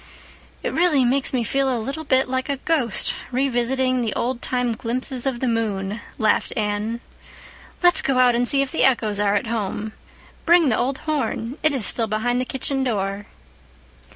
"It really makes me feel a little bit like a ghost revisiting the old time glimpses of the moon," laughed Anne. "Let's go out and see if the echoes are at home. Bring the old horn. It is still behind the kitchen door."